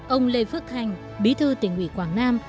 ông lê phước thành bí thư tỉnh ủy quảng nam